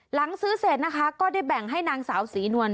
หลังซื้อเสร็จนะคะก็ได้แบ่งให้นางสาวศรีนวล